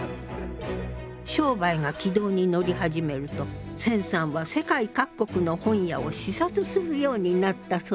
商売が軌道に乗り始めると銭さんは世界各国の本屋を視察するようになったそう。